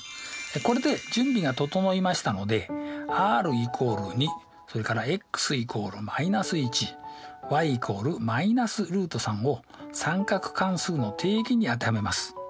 これで準備が整いましたのでｒ＝２それからｘ＝−１ｙ＝−ルート３を三角関数の定義に当てはめます。